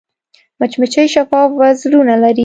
مچمچۍ شفاف وزرونه لري